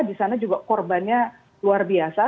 di sana juga korbannya luar biasa